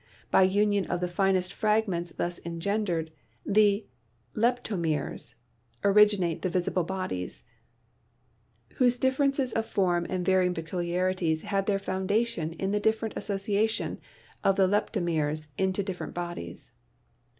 By union of the finest fragments thus engendered, the "Leptomeres," originate the visible bodies, whose differ ences of form and varying peculiarities have their founda tion in the different association of the leptomeres into different bodies.